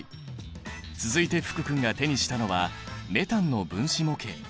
続いて福君が手にしたのはメタンの分子模型。